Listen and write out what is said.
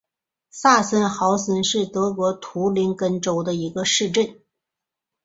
萨森豪森是德国图林根州的一个市镇。